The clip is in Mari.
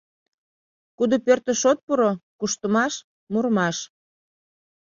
Кудо пӧртыш от пуро — куштымаш, мурымаш.